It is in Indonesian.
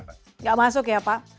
nggak masuk ya pak